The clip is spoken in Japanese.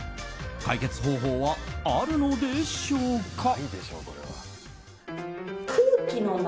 解決方法はあるのでしょうか。